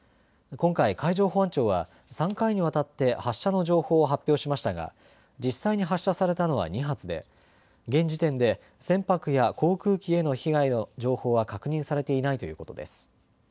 今回、海上保安庁は３回にわたって発射の情報を発表しましたが実際に発射されたのは２発で現時点で船舶や航空機への被害の情報は確認されていないということです。